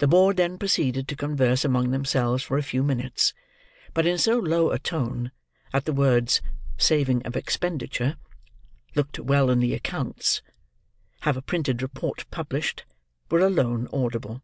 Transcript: The board then proceeded to converse among themselves for a few minutes, but in so low a tone, that the words "saving of expenditure," "looked well in the accounts," "have a printed report published," were alone audible.